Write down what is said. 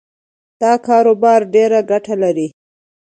دا کاروبار ډېره ګټه لري